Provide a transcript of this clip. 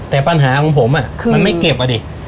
แต่ปัญหาของผมคือมันไม่เก็บอ่ะดิ